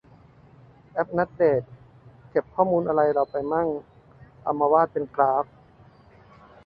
แอปนัดเดต เก็บข้อมูลอะไรเราไปมั่ง เอามาวาดเป็นกราฟ